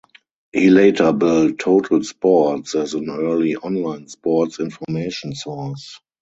He later built Total Sports as an early online sports information source.